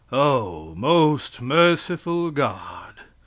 Oh, most merciful God!